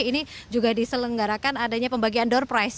ini juga diselenggarakan adanya pembagian door price